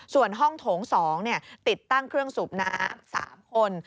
ส่วนห้องโถง๒ติดตั้งเครื่องสูบน้ำ๓คน